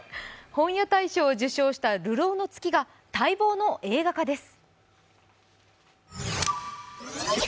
本屋大賞を授賞した「流浪の月」が待望の映画化です。